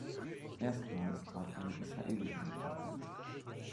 Erstmals trat eine israelische Mannschaft an.